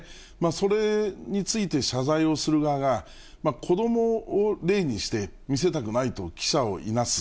それについて謝罪をする側が、子どもを例にして、見せたくないと記者をいなす。